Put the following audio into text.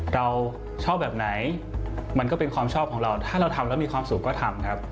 เราชอบแบบไหนมันก็เป็นความชอบของเราถ้าเราทำแล้วมีความสุขก็ทำครับ